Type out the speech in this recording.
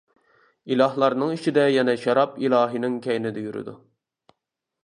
ئىلاھلارنىڭ ئىچىدە يەنە شاراب ئىلاھىنىڭ كەينىدە يۈرىدۇ.